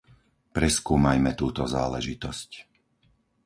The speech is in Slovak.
Preskúmajme túto záležitosť.